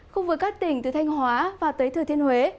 khu vực các tỉnh từ thanh hóa và tới thừa thiên huế